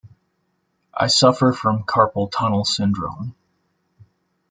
I suffer from carpal tunnel syndrome.